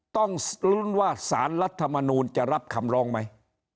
ต้องลุ้นว่าสารรัฐมนูลจะรับคำร้องไหม